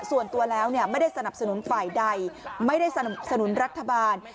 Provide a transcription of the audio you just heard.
ส่วนตัวแล้วไม่ได้สนับสนุนฝ่ายใดไม่ได้สนับสนุนรัฐบาล